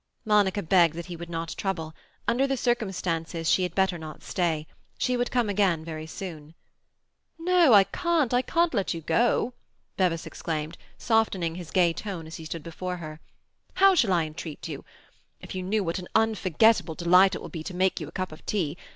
Monica begged that he would not trouble. Under the circumstances she had better not stay. She would come again very soon. "No, I can't, I can't let you go!" Bevis exclaimed, softening his gay tone as he stood before her. "How shall I entreat you? If you knew what an unforgettable delight it will be to me to make you a cup of tea!